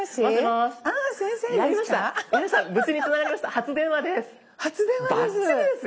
初電話です。